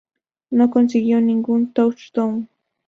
No consiguió ningún touchdown.